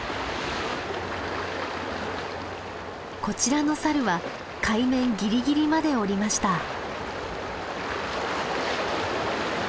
こちらのサルは海面ギリギリまで下りました。